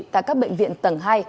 tại các bệnh viện tầng hai